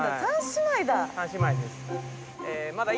３姉妹だ。